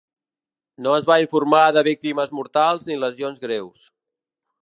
No es va informar de víctimes mortals ni lesions greus.